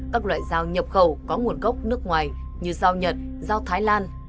các loại dao nhập khẩu có nguồn gốc nước ngoài như dao nhật dao thái lan